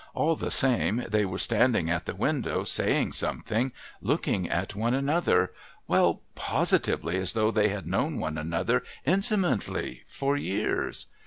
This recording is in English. All the same, they were standing at the window saying something, looking at one another, well, positively as though they had known one another intimately for years.